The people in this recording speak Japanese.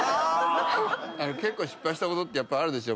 結構失敗したことってあるでしょ。